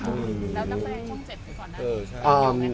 แล้วนักแสดงช่องเจ็ดคือคนหน้า